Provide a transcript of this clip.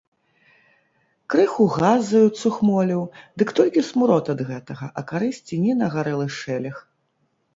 Крыху газаю цухмоліў, дык толькі смурод ад гэтага, а карысці ні на гарэлы шэлег.